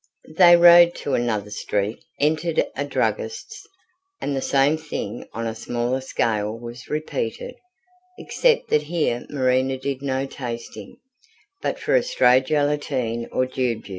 They rode to another street, entered a druggist's, and the same thing on a smaller scale was repeated, except that here Marina did no tasting, but for a stray gelatine or jujube.